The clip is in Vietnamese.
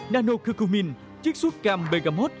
nano cucumin chiếc suốt cam pegamot